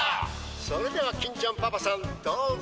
「それでは金ちゃんパパさんどうぞ！」。